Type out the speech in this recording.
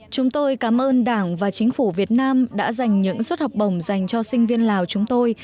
chúng tôi cảm ơn đảng và chính phủ việt nam đã dành những suất học bổng dành cho sinh viên lào chúng tôi